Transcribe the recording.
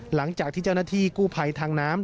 หลังจากที่เจ้าหน้าที่กู้ภัยทางน้ำ